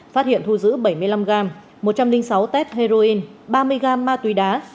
phát hiện thu giữ bảy mươi năm gram một trăm linh sáu test heroin ba mươi gam ma túy đá